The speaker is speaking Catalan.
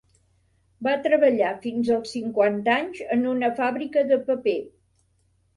Va treballar fins als cinquanta anys en una fàbrica de paper.